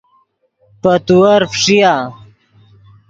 پے تیور فݯیا